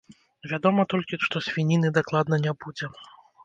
Вядома толькі, што свініны дакладна не будзе.